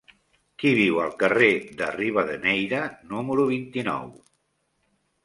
Qui viu al carrer de Rivadeneyra número vint-i-nou?